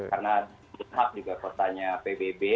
karena dnh juga kosanya pbb